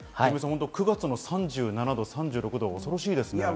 ９月の３７度、３６度は恐ろしいですね。